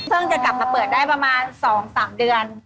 จะกลับมาเปิดได้ประมาณ๒๓เดือน